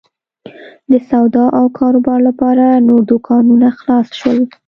د سودا او کاروبار لپاره نور دوکانونه خلاص شول.